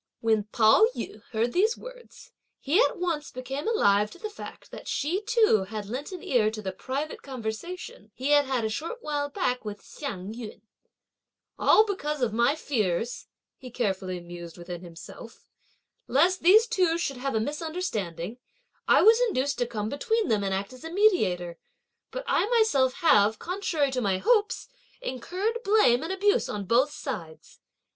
When Pao yü heard these words, he at once became alive to the fact that she too had lent an ear to the private conversation he had had a short while back with Hsiang yün: "All because of my, fears," he carefully mused within himself, "lest these two should have a misunderstanding, I was induced to come between them, and act as a mediator; but I myself have, contrary to my hopes, incurred blame and abuse on both sides!